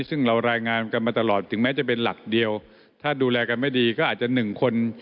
ซึ่งเรารายงานกันมาตลอดถึงแม้จะเป็นหลักเดียวถ้าดูแลกันไม่ดีก็อาจจะหนึ่งคน